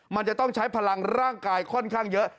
มันจะต้องใช้พลังร่างกายค่อนข้างเยอะ